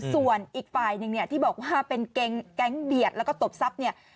ส่วนอีกฝ่ายหนึ่งเนี่ยที่บอกว่าเป็นแก๊งเบียดแล้วก็ตบทรัพย์เนี่ย